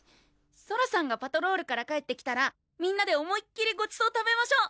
ソラさんがパトロールから帰ってきたらみんなで思いっきりごちそう食べましょう！